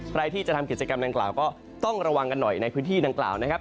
ใครที่จะทำกิจกรรมดังกล่าวก็ต้องระวังกันหน่อยในพื้นที่ดังกล่าวนะครับ